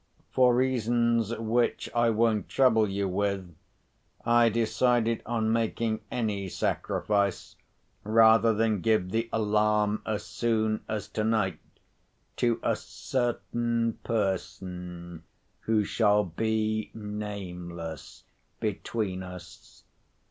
For reasons which I won't trouble you with, I decided on making any sacrifice rather than give the alarm as soon as tonight to a certain person who shall be nameless between us.